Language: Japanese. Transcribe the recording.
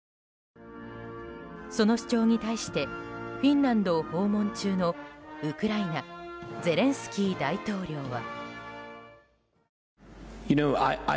その主張に対してフィンランドを訪問中のウクライナゼレンスキー大統領は。